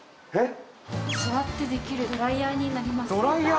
座ってできるドライヤーになりますドライヤー？